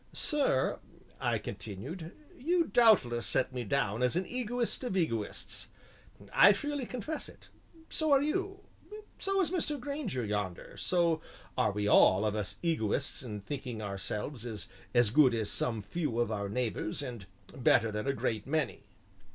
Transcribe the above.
"Sir," I continued, "you doubtless set me down as an egoist of egoists. I freely confess it; so are you, so is Mr. Grainger yonder, so are we all of us egoists in thinking ourselves as good as some few of our neighbors and better than a great many."